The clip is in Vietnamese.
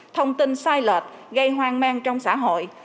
thông tin sai lệch gây hoang mang trong xã hội